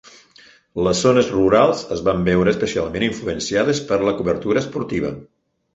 Les zones rurals es van veure especialment influenciades per la cobertura esportiva.